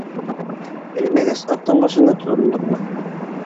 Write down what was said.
Белмәгәс, атаң башына тотондоңмо?